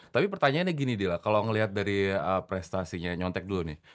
tapi pertanyaannya gini dila kalau ngelihat dari prestasinya nyontek dulu nih